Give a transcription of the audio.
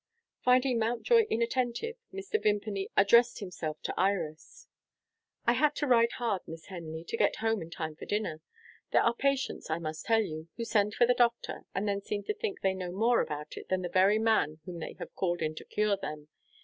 Finding Mountjoy inattentive, Mr. Vimpany addressed himself to Iris. "I had to ride hard, Miss Henley, to get home in time for dinner. There are patients, I must tell you, who send for the doctor, and then seem to think they know more about it than the very man whom they have called in to cure them.